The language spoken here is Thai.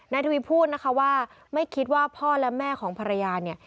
ทวีพูดนะคะว่าไม่คิดว่าพ่อและแม่ของภรรยาเนี่ย